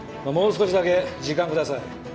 もう少しだけ時間ください。